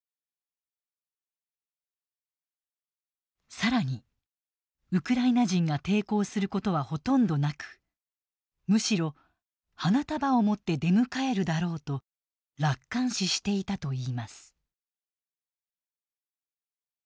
更にウクライナ人が抵抗することはほとんどなくむしろ「花束を持って出迎えるだろう」と楽観視していたといいます。